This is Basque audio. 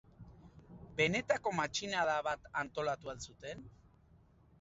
Benetako matxinada bat antolatu al zuten?